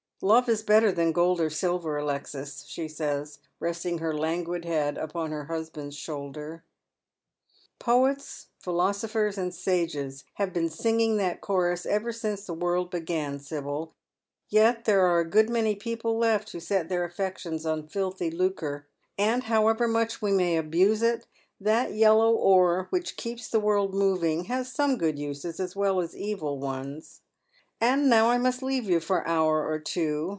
" Love is better than gold or silver, Alexis," she says, resting her languid head upon her husband's shoulder. " Poets, philosophers, and sages have been singing that chonig ever since the world began, Sibyl. Yet there are a good many people left who set their afEections on filthy lucre, and, however much we may abuse it, that yellow ore which keeps the world moving has some good uses as well as evil ones. And now I must leave you for an hour or too.